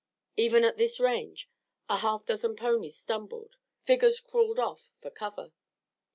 Even at this range a half dozen ponies stumbled, figures crawled off for cover.